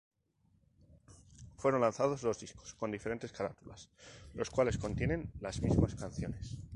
Fueron lanzados dos discos con diferentes carátulas, los cuales contienen las mismas canciones.